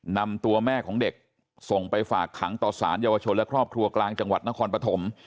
นำตัวแม่ของเด็กส่งไปฝากขังต่อสารเยาวชนและครอบครัวกลางจังหวัดนครปฐม